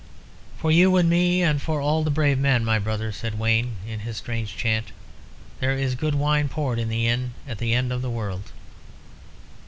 "For you and me, and for all brave men, my brother," said Wayne, in his strange chant, "there is good wine poured in the inn at the end of the world."